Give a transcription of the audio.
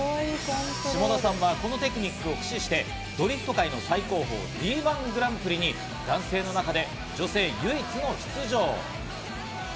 下田さんはこのテクニックを駆使して、ドリフト界の最高峰・Ｄ１グランプリに男性の中で女性唯一の出場。